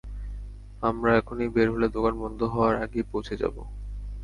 আমরা এখনই বের হলে দোকান বন্ধ হওয়ার আগেই পৌঁছে যাব।